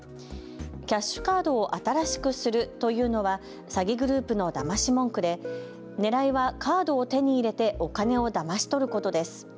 キャッシュカードを新しくするというのは詐欺グループのだまし文句でねらいはカードを手に入れてお金をだまし取ることです。